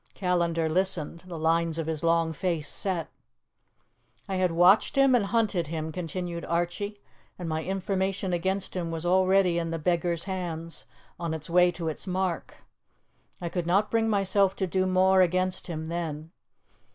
Callandar listened, the lines of his long face set. "I had watched him and hunted him," continued Archie, "and my information against him was already in the beggar's hands, on its way to its mark. I could not bring myself to do more against him then.